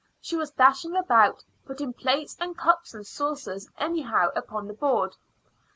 She was dashing about, putting plates and cups and saucers anyhow upon the board.